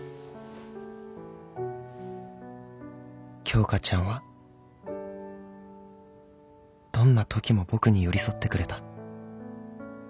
京花ちゃんはどんなときも僕に寄り添ってくれた